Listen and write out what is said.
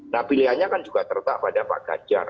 nah pilihannya kan juga tertak pada pak gajar